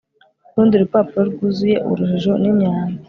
urundi rupapuro rwuzuye urujijo n'imyambi